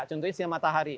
contohnya si matahari